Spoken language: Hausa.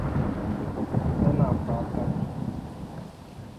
Tana fatan.